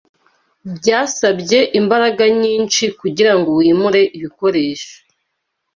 Byasabye imbaraga nyinshi kugirango wimure ibikoresho.